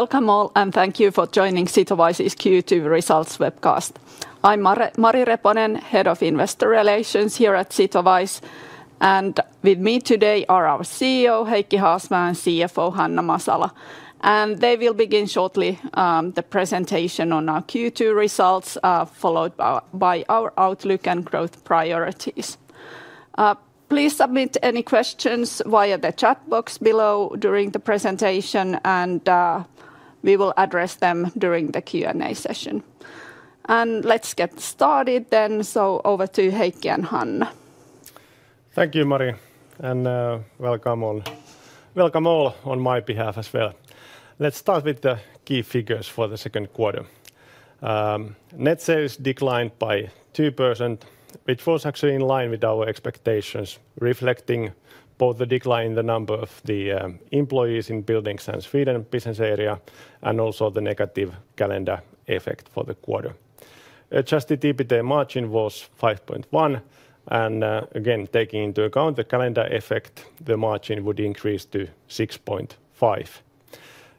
Welcome all, and thank you for joining Sitowise's Q2 Results Webcast. I'm Mari Reponen, Head of Investor Relations here at Sitowise. With me today are our CEO, Heikki Haasmaa, and CFO, Hanna Masala. They will begin shortly the presentation on our Q2 results, followed by our outlook and growth priorities. Please submit any questions via the chat box below during the presentation, and we will address them during the Q&A session. Let's get started then. Over to Heikki and Hanna. Thank you, Mari. Welcome all on my behalf as well. Let's start with the key figures for the second quarter. Net sales declined by 2%, which was actually in line with our expectations, reflecting both the decline in the number of employees in the Building [San] Sweden business area and also the negative calendar effect for the quarter. Just to tip it, the margin was 5.1%. Again, taking into account the calendar effect, the margin would increase to 6.5%.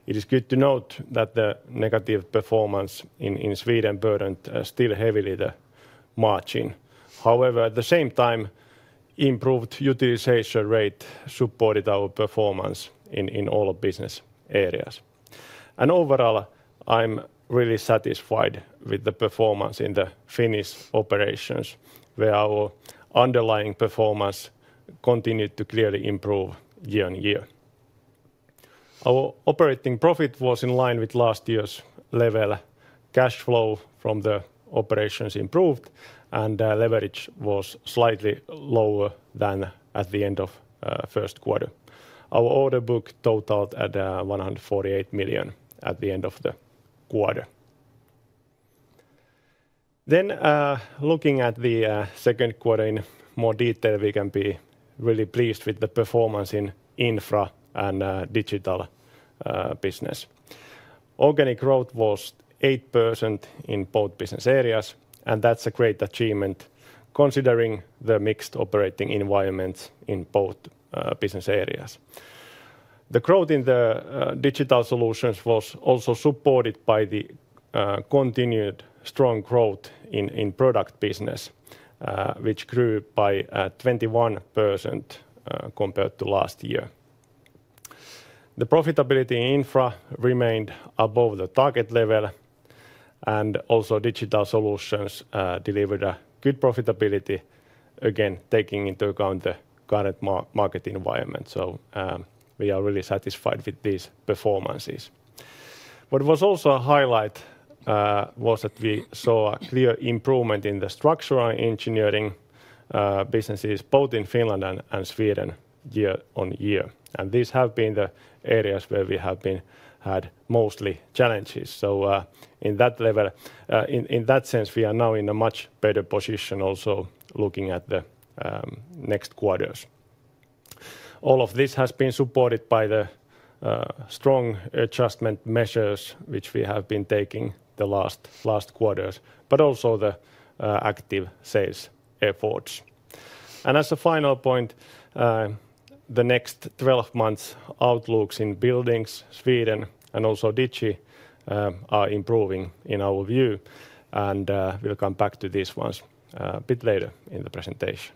It is good to note that the negative performance in Sweden burdened still heavily the margin. However, at the same time, the improved utilization rate supported our performance in all business areas. Overall, I'm really satisfied with the performance in the Finnish operations, where our underlying performance continued to clearly improve year-on-year. Our operating profit was in line with last year's level cash flow from the operations improved, and leverage was slightly lower than at the end of the first quarter. Our order book totaled at 148 million at the end of the quarter. Looking at the second quarter in more detail, we can be really pleased with the performance in Infra and Digital business. Organic growth was 8% in both business areas, and that's a great achievement considering the mixed operating environments in both business areas. The growth in the Digital Solutions was also supported by the continued strong growth in product business, which grew by 21% compared to last year. The profitability in Infra remained above the target level, and also Digital Solutions delivered a good profitability, again taking into account the current market environment. We are really satisfied with these performances. What was also a highlight was that we saw a clear improvement in the structural engineering businesses, both in Finland and Sweden, year-on-year. These have been the areas where we have had mostly challenges. In that sense, we are now in a much better position, also looking at the next quarters. All of this has been supported by the strong adjustment measures, which we have been taking the last quarters, but also the active sales efforts. As a final point, the next 12 months' outlooks in Buildings, Sweden, and also Digital Solutions are improving in our view, and we'll come back to these ones a bit later in the presentation.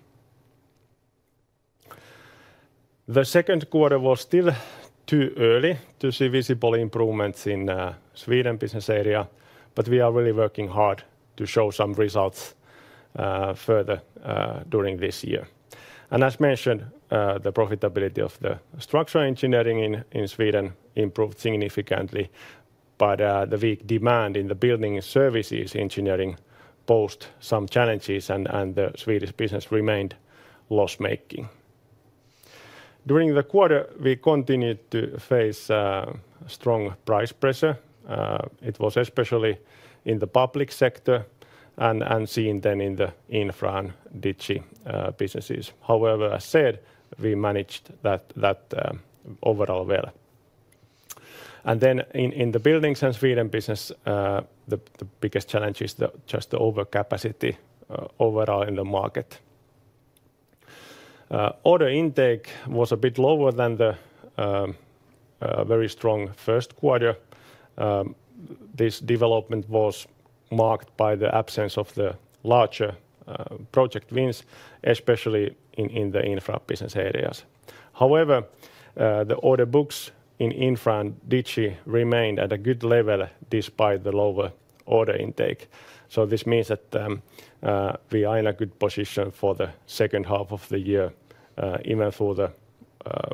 The second quarter was still too early to see visible improvements in the Sweden business area, but we are really working hard to show some results further during this year. As mentioned, the profitability of the structural engineering in Sweden improved significantly, but the weak demand in the building services engineering posed some challenges, and the Swedish business remained loss-making. During the quarter, we continued to face strong price pressure. It was especially in the public sector and seen then in the Infra and Digi businesses. However, as said, we managed that overall well. In the Building [San] Sweden business, the biggest challenge is just the overcapacity overall in the market. Order intake was a bit lower than the very strong first quarter. This development was marked by the absence of the larger project wins, especially in the Infra business areas. However, the order books in Infra and Digi rmained at a good level despite the lower order intake. This means that we are in a good position for the second half of the year, even though the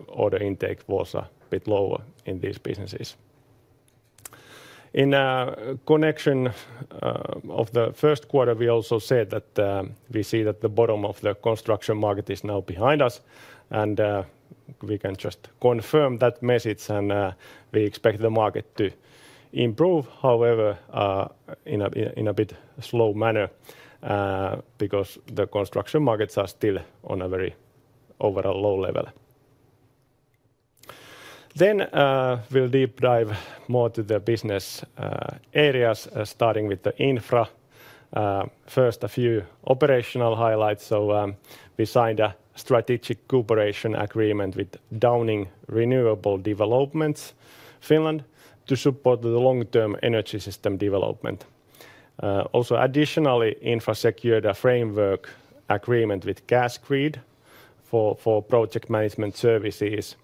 order intake was a bit lower in these businesses. In the connection of the first quarter, we also said that we see that the bottom of the construction market is now behind us, and we can just confirm that message, and we expect the market to improve, however, in a bit of a slow manner because the construction markets are still on a very overall low level. We will deep dive more to the business areas, starting with the Infra. First, a few operational highlights. We signed a strategic cooperation agreement with Downing Renewable Developments Finland to support the long-term energy system development. Additionally, infrastructure framework agreement with Gasgrid for project management services,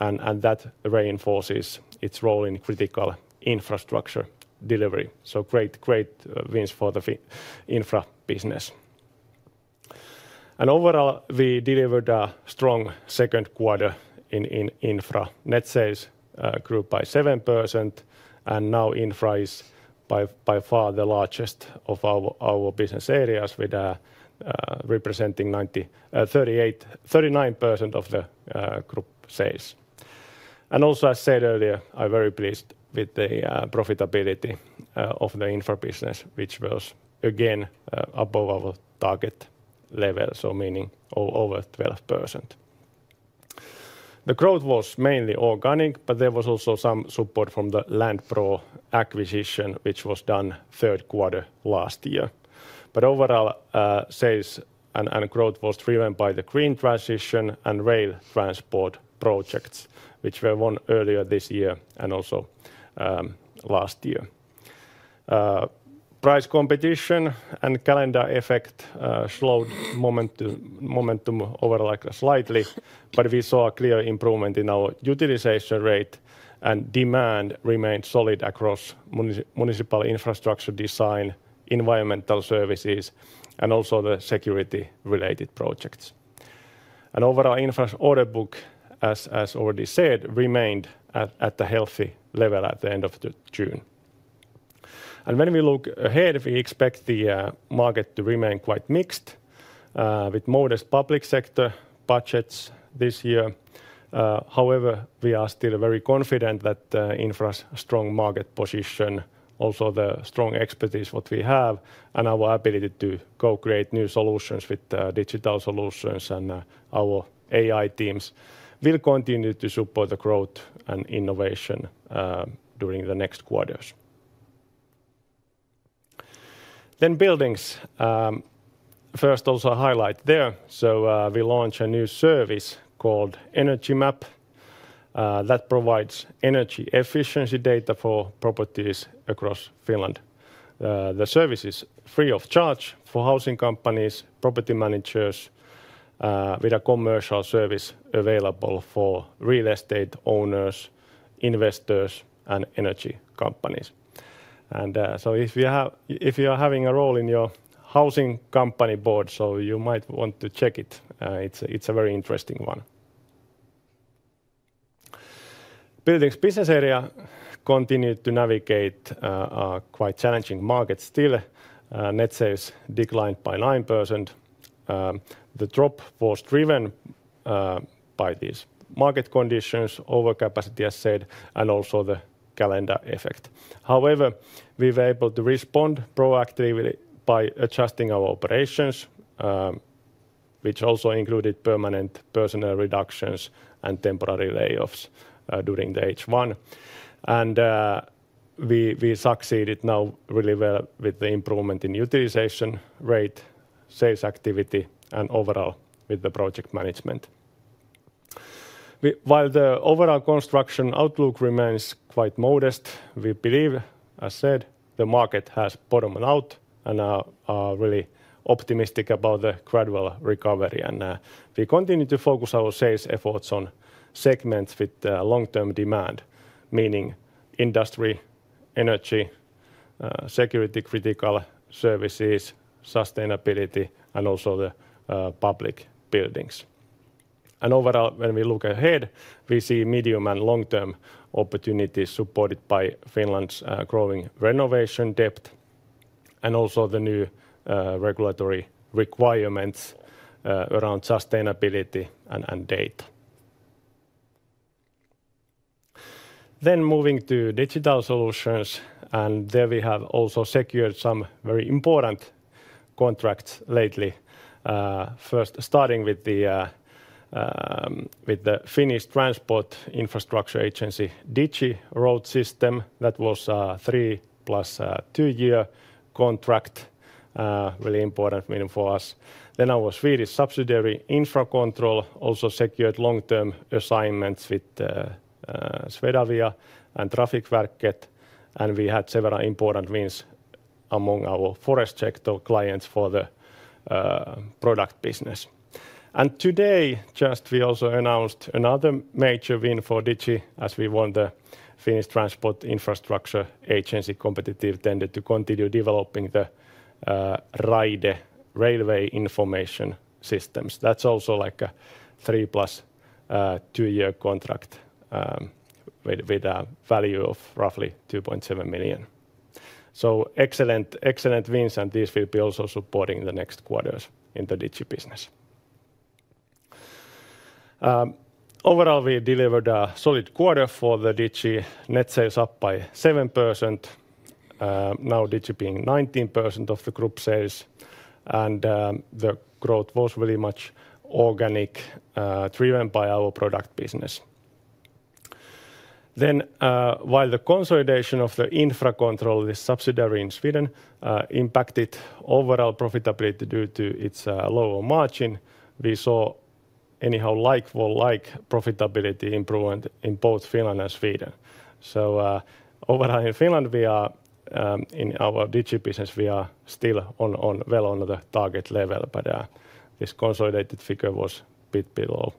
and that reinforces its role in critical infrastructure delivery. Great wins for the Infra business. Overall, we delivered a strong second quarter in infra. Net sales grew by 7%, and now Infra is by far the largest of our business areas, representing 39% of the group sales. Also, as I said earlier, I'm very pleased with the profitability of the Infra business, which was again above our target level, meaning over 12%. The growth was mainly organic, but there was also some support from the LandPro acquisition, which was done third quarter last year. Overall, sales and growth was driven by the green transition and rail transport projects, which were won earlier this year and also last year. Price competition and calendar effects slowed momentum slightly, but we saw a clear improvement in our utilization rate, and demand remained solid across municipal infrastructure design, environmental services, and also the security-related projects. Infra's order book, as already said, remained at a healthy level at the end of June. When we look ahead, we expect the market to remain quite mixed, with modest public sector budgets this year. However, we are still very confident that Infra's strong market position, also the strong expertise that we have, and our ability to co-create new solutions with Digital Solutions and our AI teams will continue to support the growth and innovation during the next quarters. Buildings. First, also a highlight there. We launched a new service called Energy Map that provides energy efficiency data for properties across Finland. The service is free of charge for housing companies and property managers, with a commercial service available for real estate owners, investors, and energy companies. If you are having a role in your housing company board, you might want to check it. It's a very interesting one. Buildings business area continued to navigate quite challenging markets still. Net sales declined by 9%. The drop was driven by these market conditions, overcapacity, as said, and also the calendar effect. We were able to respond proactively by adjusting our operations, which also included permanent personnel reductions and temporary layoffs during H1. We succeeded now really well with the improvement in utilization rate, sales activity, and overall with the project management. While the overall construction outlook remains quite modest, we believe, as said, the market has bottomed out and are really optimistic about the gradual recovery. We continue to focus our sales efforts on segments with long-term demand, meaning industry, energy, security-critical services, sustainability, and also public buildings. When we look ahead, we see medium and long-term opportunities supported by Finland's growing renovation depth and also the new regulatory requirements around sustainability and data. Moving to Digital Solutions, we have also secured some very important contracts lately. First, starting with the Finnish Transport Infrastructure Agency, Digi road system, that was a three plus two-year contract, really important win for us. Our Swedish subsidiary Infracontrol also secured long-term assignments with Swedavia and Trafikverket, and we had several important wins among our forest sector clients for the product business. Today, we also announced another major win for Digi as we won the Finnish Transport Infrastructure Agency competitive tender to continue developing the Raide, railway information systems. That's also like a 3 + 2-year contract with a value of roughly 2.7 million. Excellent wins, and these will be also supporting the next quarters in the Digi business. Overall, we delivered a solid quarter for Digi, net sales up by 7%, now Digi being 19% of the group sales, and the growth was really much organic, driven by our product business. While the consolidation of the Infracontrol subsidiary in Sweden impacted overall profitability due to its lower margin, we saw anyhow likable profitability improvement in both Finland and Sweden. Overall in Finland, in our Digi business, we are still well on the target level, but this consolidated figure was a bit below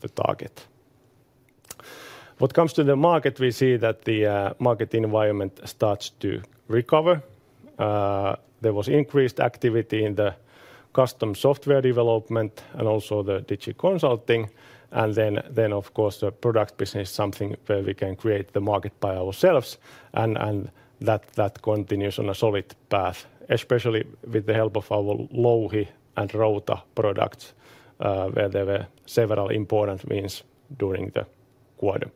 the target. What comes to the market, we see that the market environment starts to recover. There was increased activity in the custom software development and also the Digi consulting, and the product business is something where we can create the market by ourselves, and that continues on a solid path, especially with the help of our Lohi and Rota products, where there were several important wins during the quarter.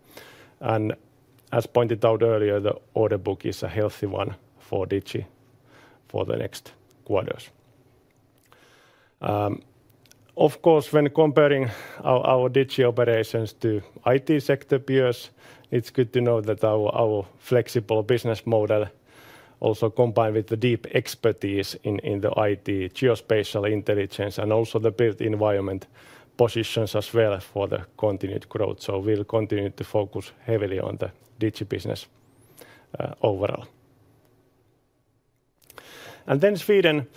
As pointed out earlier, the order book is a healthy one for Digi for the next quarters. When comparing our Digi operations to IT sector peers, it's good to know that our flexible business model, also combined with the deep expertise in the IT geospatial intelligence and also the built environment, positions us well for the continued growth. We'll continue to focus heavily on the Digi business overall. In Sweden,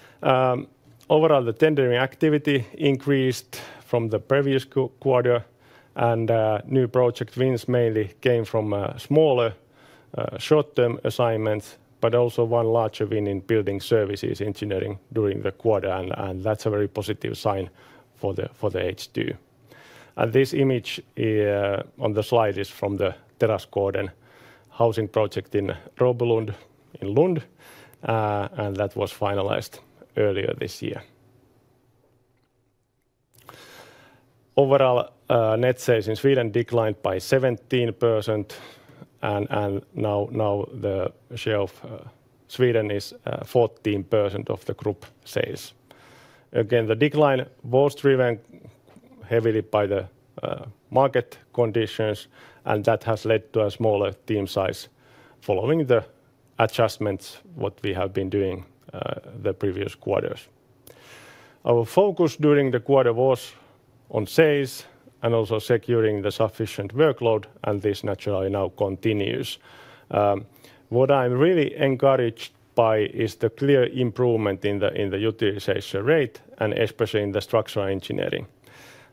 overall the tendering activity increased from the previous quarter, and new project wins mainly came from smaller short-term assignments, but also one larger win in building services engineering during the quarter, and that's a very positive sign for the H2. This image on the slide is from the Terrasgården housing project in Lund, and that was finalized earlier this year. Overall, net sales in Sweden declined by 17%, and now the share of Sweden is 14% of the group sales. The decline was driven heavily by the market conditions, and that has led to a smaller team size following the adjustments we have been doing the previous quarters. Our focus during the quarter was on sales and also securing the sufficient workload, and this naturally now continues. What I'm really encouraged by is the clear improvement in the utilization rate and especially in the structural engineering.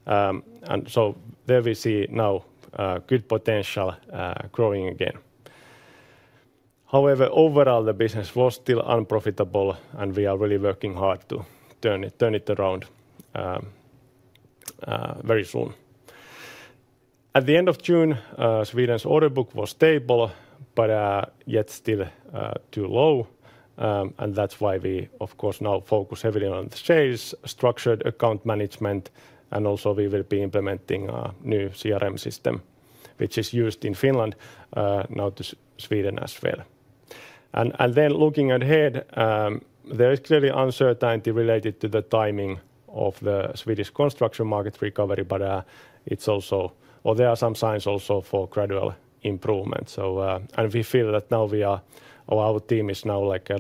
There we see now good potential growing again. However, overall, the business was still unprofitable, and we are really working hard to turn it around very soon. At the end of June, Sweden's order book was stable, but yet still too low, and that's why we, of course, now focus heavily on sales, structured account management, and also we will be implementing a new CRM system, which is used in Finland, now to Sweden as well. Looking ahead, there is clearly uncertainty related to the timing of the Swedish construction market recovery, but there are some signs also for gradual improvement. We feel that now our team is now like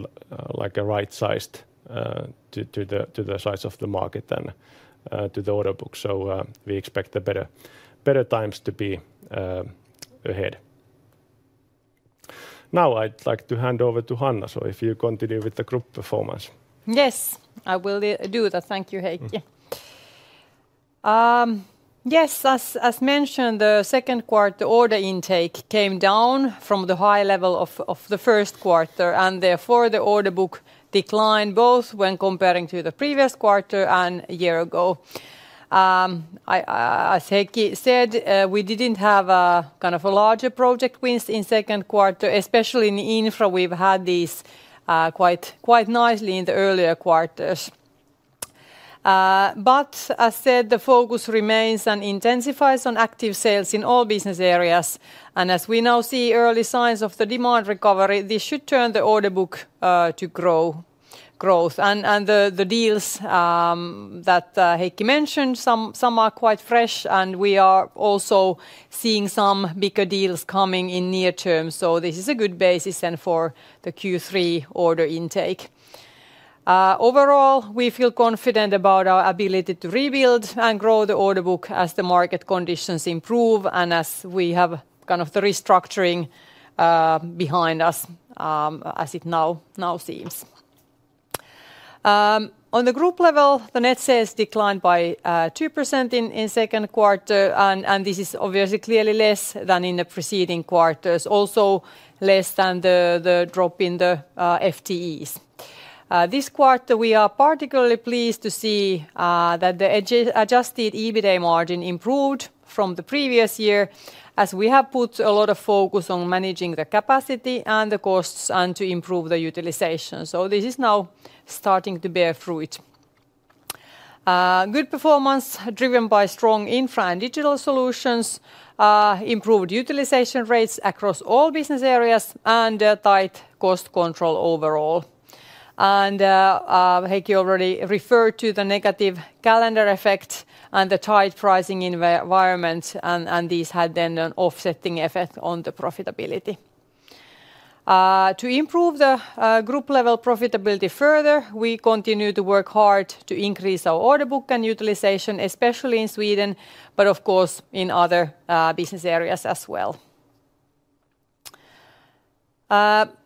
a right sized to the size of the market and to the order book, so we expect better times to be ahead. Now I'd like to hand over to Hanna, so if you continue with the group performance. Yes, I will do that. Thank you, Heikki. Yes, as mentioned, the second quarter order intake came down from the high level of the first quarter, and therefore the order book declined both when comparing to the previous quarter and a year ago. As Heikki said, we didn't have a kind of a larger project wins in the second quarter, especially in the Infra. We've had these quite nicely in the earlier quarters. The focus remains and intensifies on active sales in all business areas. As we now see early signs of the demand recovery, this should turn the order book to growth. The deals that Heikki mentioned, some are quite fresh, and we are also seeing some bigger deals coming in near term. This is a good basis for the Q3 order intake. Overall, we feel confident about our ability to rebuild and grow the order book as the market conditions improve and as we have kind of the restructuring behind us, as it now seems. On the group level, the net sales declined by 2% in the second quarter, and this is obviously clearly less than in the preceding quarters, also less than the drop in the FTEs. This quarter, we are particularly pleased to see that the adjusted EBITDA margin improved from the previous year, as we have put a lot of focus on managing the capacity and the costs and to improve the utilization. This is now starting to bear fruit. Good performance driven by strong Infra and Digital Solutions, improved utilization rates across all business areas, and tight cost control overall. Heikki already referred to the negative calendar effects and the tight pricing environment, and these had then an offsetting effect on the profitability. To improve the group level profitability further, we continue to work hard to increase our order book and utilization, especially in Sweden, but of course in other business areas as well.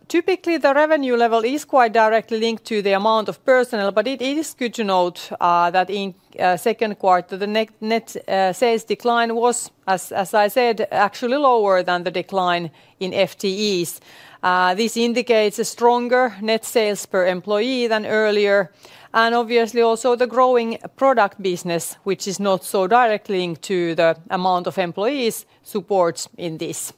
Typically, the revenue level is quite directly linked to the amount of personnel, but it is good to note that in the second quarter, the net sales decline was, as I said, actually lower than the decline in FTEs. This indicates a stronger net sales per employee than earlier, and obviously also the growing product business, which is not so directly linked to the amount of employees, supports in this.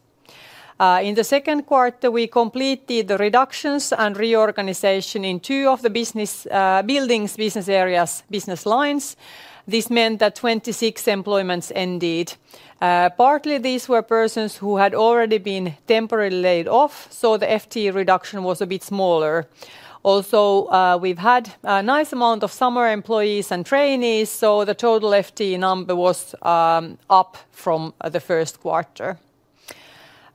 In the second quarter, we completed the reductions and reorganization in two of the business buildings, business areas, business lines. This meant that 26 employments ended. Partly, these were persons who had already been temporarily laid off, so the FTE reduction was a bit smaller. Also, we've had a nice amount of summer employees and trainees, so the total FTE number was up from the first quarter.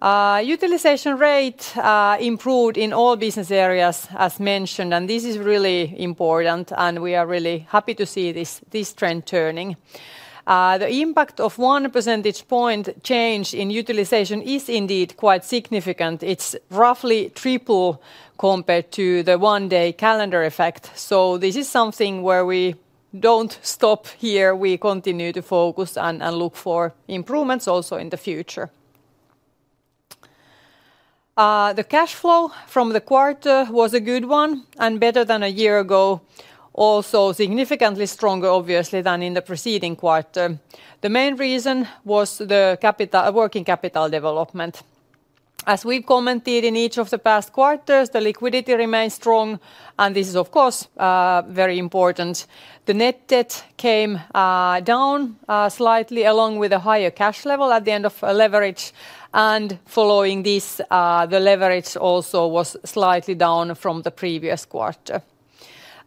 Utilization rate improved in all business areas, as mentioned, and this is really important, and we are really happy to see this trend turning. The impact of one percentage point change in utilization is indeed quite significant. It's roughly triple compared to the one-day calendar effect. This is something where we don't stop here. We continue to focus and look for improvements also in the future. The cash flow from the quarter was a good one and better than a year ago, also significantly stronger, obviously, than in the preceding quarter. The main reason was the working capital development. As we commented in each of the past quarters, the liquidity remains strong, and this is, of course, very important. The net debt came down slightly along with a higher cash level at the end of leverage, and following this, the leverage also was slightly down from the previous quarter.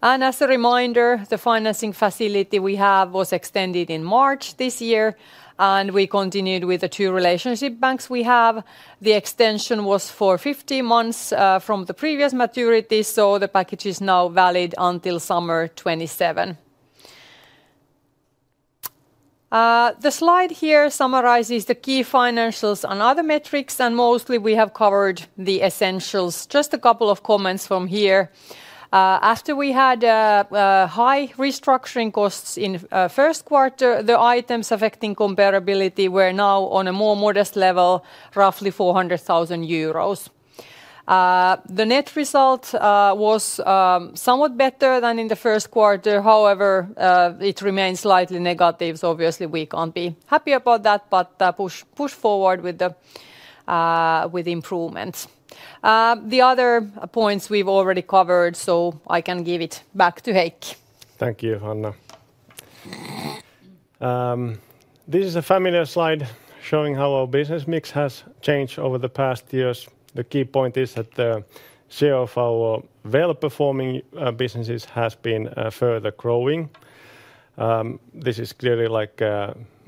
As a reminder, the financing facility we have was extended in March this year, and we continued with the two relationship banks we have. The extension was for 15 months from the previous maturity, so the package is now valid until summer 2027. The slide here summarizes the key financials and other metrics, and mostly we have covered the essentials. Just a couple of comments from here. After we had high restructuring costs in the first quarter, the items affecting comparability were now on a more modest level, roughly 400,000 euros. The net result was somewhat better than in the first quarter. However, it remains slightly negative. Obviously, we can't be happy about that, but push forward with the improvements. The other points we've already covered, so I can give it back to Heikki. Thank you, Hanna. This is a familiar slide showing how our business mix has changed over the past years. The key point is that the share of our well-performing businesses has been further growing. This is clearly,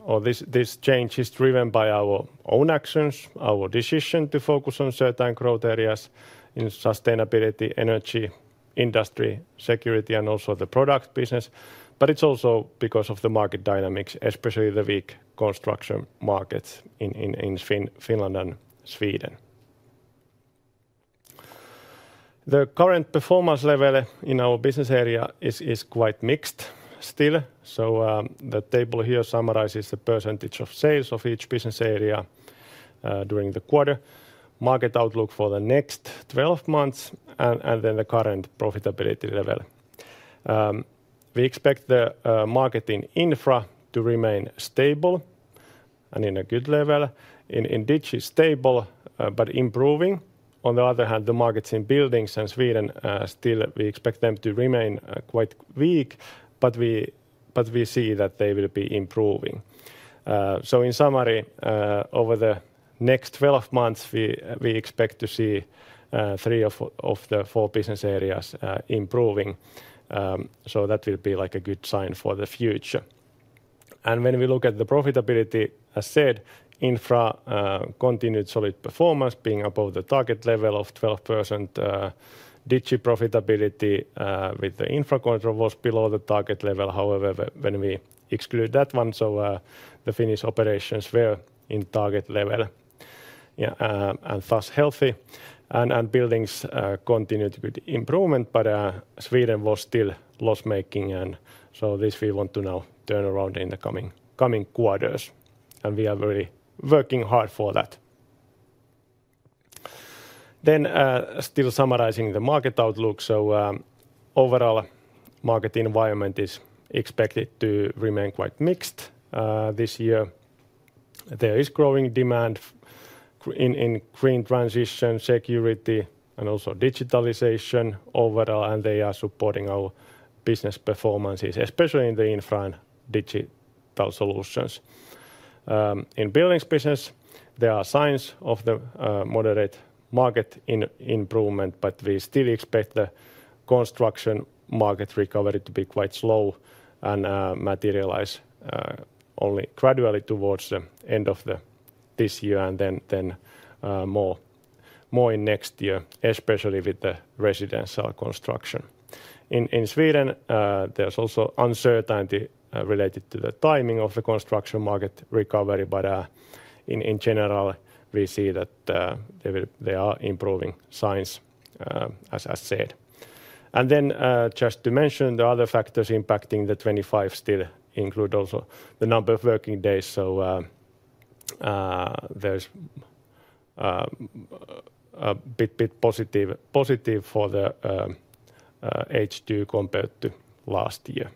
or this change is driven by our own actions, our decision to focus on certain growth areas in sustainability, energy, industry, security, and also the product business. It is also because of the market dynamics, especially the weak construction markets in Finland and Sweden. The current performance level in our business area is quite mixed still. The table here summarizes the percentage of sales of each business area during the quarter, market outlook for the next 12 months, and then the current profitability level. We expect the market in Infra to remain stable and at a good level. In Digi, stable but improving. On the other hand, the markets in Buildings and Sweden, still, we expect them to remain quite weak, but we see that they will be improving. In summary, over the next 12 months, we expect to see three of the four business areas improving. That will be a good sign for the future. When we look at the profitability, as said, Infra continued solid performance, being above the target level of 12%. Digi profitability with Infracontrol was below the target level. However, when we exclude that one, the Finnish operations were at target level and thus healthy. And Buildings continued with improvement, but Sweden was still loss-making. We want to now turn this around in the coming quarters, and we are really working hard for that. Still summarizing the market outlook, overall, the market environment is expected to remain quite mixed this year. There is growing demand in green transition, security, and also digitalization overall. They are supporting our business performances, especially in Infra and Digital Solutions. In Buildings business, there are signs of moderate market improvement, but we still expect the construction market recovery to be quite slow and materialize only gradually towards the end of this year and then more in next year, especially with the residential construction. In Sweden, there is also uncertainty related to the timing of the construction market recovery. In general, we see that there are improving signs, as I said. Other factors impacting 2025 still include also the number of working days. There's a bit positive for the H2 compared to last year.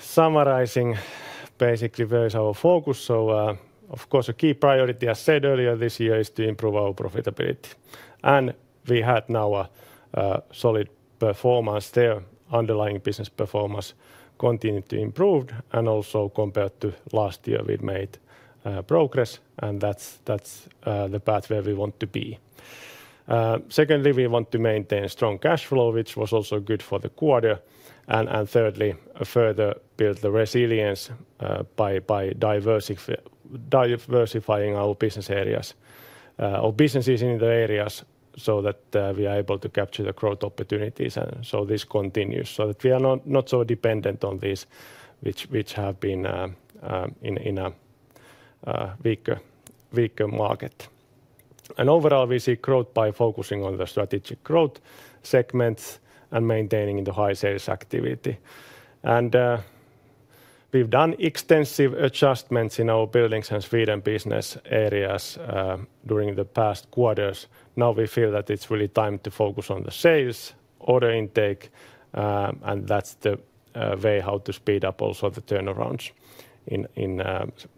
Summarizing, basically, where is our focus? Of course, a key priority, as I said earlier, this year is to improve our profitability. We had a solid performance there. Underlying business performance continued to improve, and also compared to last year, we've made progress. That's the path where we want to be. Secondly, we want to maintain strong cash flow, which was also good for the quarter. Thirdly, further build the resilience by diversifying our business areas or businesses in the areas so that we are able to capture the growth opportunities. This continues so that we are not so dependent on these, which have been in a weaker market. Overall, we see growth by focusing on the strategic growth segments and maintaining the high sales activity. We've done extensive adjustments in our Buildings and Sweden business areas during the past quarters. Now we feel that it's really time to focus on the sales order intake. That's the way how to speed up also the turnarounds in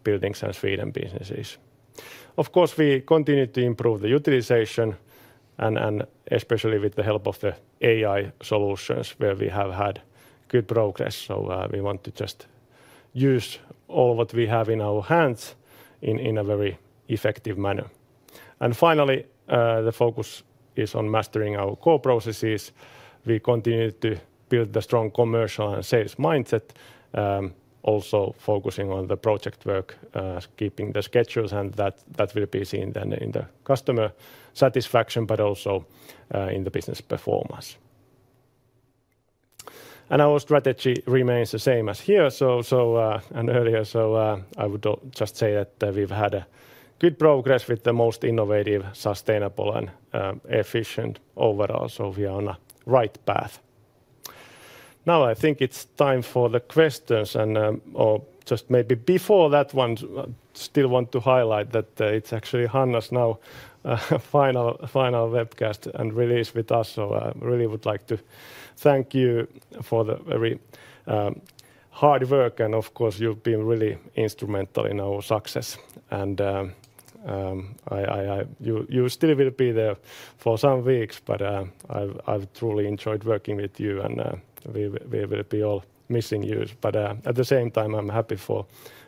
Buildings and Sweden businesses. Of course, we continue to improve the utilization, especially with the help of the AI solutions where we have had good progress. We want to just use all what we have in our hands in a very effective manner. Finally, the focus is on mastering our core processes. We continue to build the strong commercial and sales mindset, also focusing on the project work, keeping the schedules, and that will be seen in the customer satisfaction, but also in the business performance. Our strategy remains the same as here and earlier. I would just say that we've had good progress with the most innovative, sustainable, and efficient overall. We are on the right path. Now I think it's time for the questions, and just maybe before that, I still want to highlight that it's actually Hanna's now final webcast and release with us. I really would like to thank you for the very hard work, and of course, you've been really instrumental in our success. You still will be there for some weeks, but I've truly enjoyed working with you, and we will be all missing you. At the same time, I'm happy for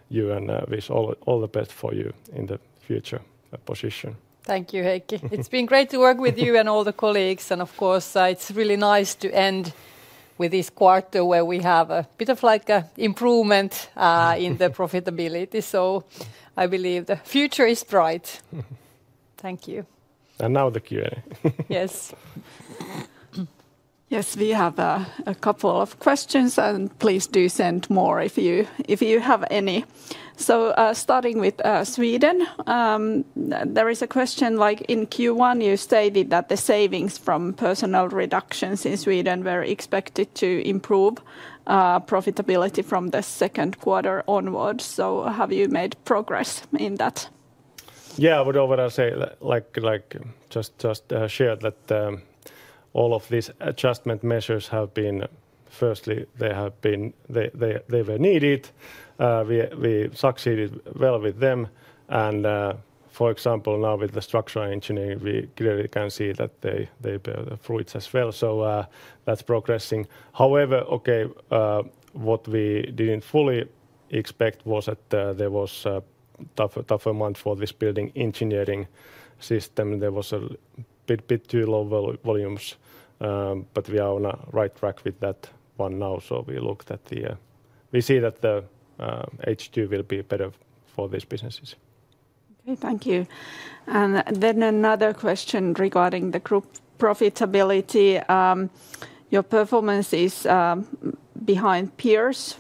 you, and I wish all the best for you in the future position. Thank you, Heikki. It's been great to work with you and all the colleagues. Of course, it's really nice to end with this quarter where we have a bit of an improvement in the profitability. I believe the future is bright. Thank you. Now the Q&A. Yes. Yes, we have a couple of questions, and please do send more if you have any. Starting with Sweden, there is a question: in Q1, you stated that the savings from personnel reductions in Sweden were expected to improve profitability from the second quarter onwards. Have you made progress in that? What I would say, just shared that all of these adjustment measures have been, firstly, they were needed. We succeeded well with them. For example, now with the structural engineering, we clearly can see that they bear the fruits as well. That's progressing. However, what we didn't fully expect was that there was a tougher month for this building engineering system. There was a bit too low volumes, but we are on the right track with that one now. We looked at the, we see that the H2 will be better for these businesses. Okay, thank you. Another question regarding the group profitability. Your performance is behind peers.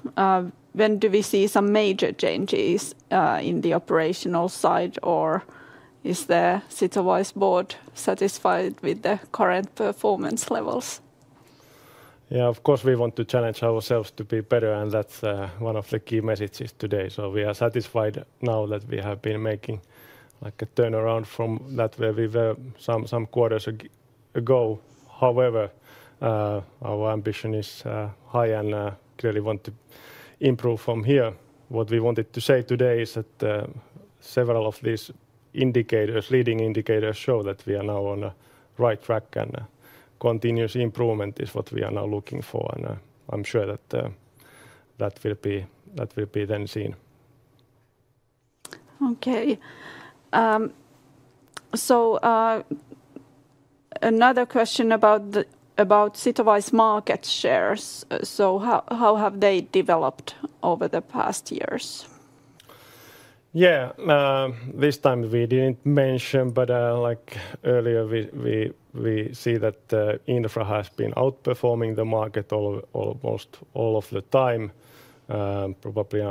When do we see some major changes in the operational side, or is the Sitowise board satisfied with the current performance levels? Of course, we want to challenge ourselves to be better, and that's one of the key messages today. We are satisfied now that we have been making like a turnaround from that where we were some quarters ago. However, our ambition is high and clearly want to improve from here. What we wanted to say today is that several of these indicators, leading indicators, show that we are now on the right track, and continuous improvement is what we are now looking for. I'm sure that that will be then seen. Okay. Another question about Sitowise market shares. How have they developed over the past years? Yeah, this time we didn't mention, but like earlier, we see that Infra has been outperforming the market almost all of the time, probably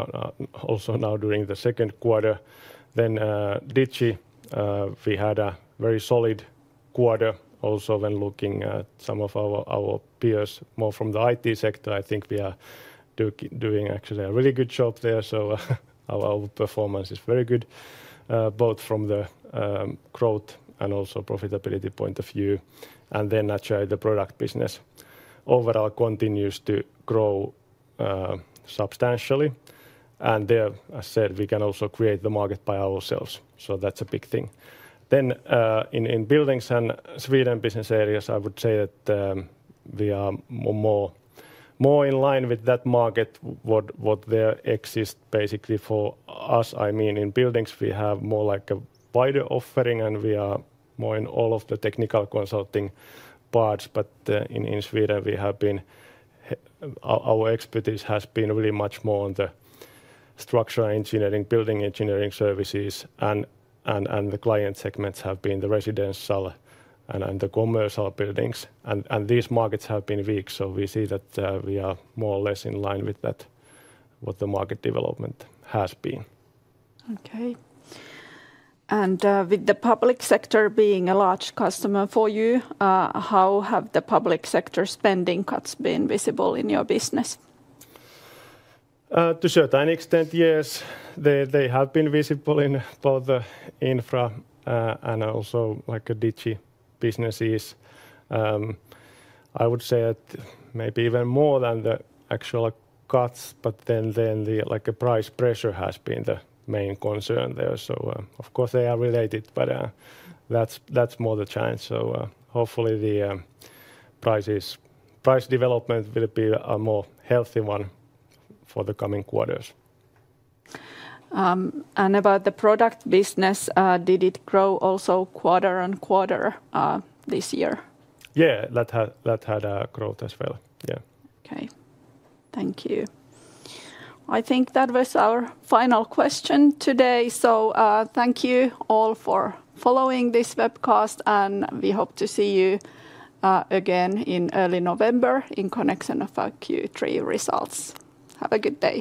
also now during the second quarter. Digi, we had a very solid quarter. Also, when looking at some of our peers, more from the IT sector, I think we are doing actually a really good job there. Our performance is very good, both from the growth and also profitability point of view. Naturally, the product business overall continues to grow substantially. There, as I said, we can also create the market by ourselves. That's a big thing. In Buildings and Sweden business areas, I would say that we are more in line with that market. What there exists basically for us, I mean, in Buildings, we have more like a wider offering, and we are more in all of the technical consulting parts. In Sweden, our expertise has been really much more on the structural engineering, building engineering services, and the client segments have been the residential and the commercial buildings. These markets have been weak. We see that we are more or less in line with that, what the market development has been. Okay. With the public sector being a large customer for you, how have the public sector spending cuts been visible in your business? To a certain extent, yes, they have been visible in both the Infra and also like Digi businesses. I would say that maybe even more than the actual cuts, the price pressure has been the main concern there. Of course, they are related, but that's more the chance. Hopefully, the price development will be a more healthy one for the coming quarters. Did the product business grow also quarter-on-quarter this year? Yeah, that had grown as well. Okay. Thank you. I think that was our final question today. Thank you all for following this webcast, and we hope to see you again in early November in connection with our Q3 results. Have a good day.